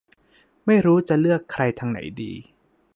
ไม่รู้จะเลือกใครทางไหนดี